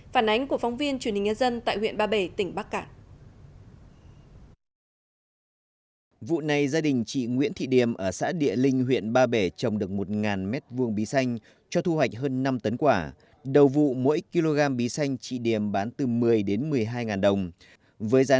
phản ánh của phóng viên truyền hình nhân dân tại huyện ba bể tỉnh bắc cạn